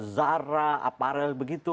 zara aparel begitu